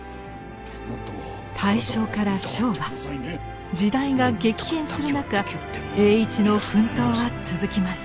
大正から昭和時代が激変する中栄一の奮闘は続きます。